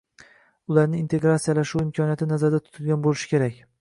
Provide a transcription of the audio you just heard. ularning integratsiyalashuvi imkoniyati nazarda tutilgan bo‘lishi kerak.